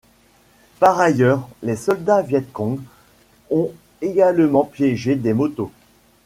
Par ailleurs, les soldats Viêt-cong ont également piégé des motos.